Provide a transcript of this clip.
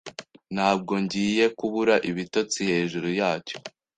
Ntabwo ngiye kubura ibitotsi hejuru yacyo.